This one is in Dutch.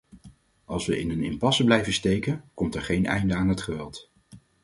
Als we in een impasse blijven steken, komt er geen eind aan het geweld.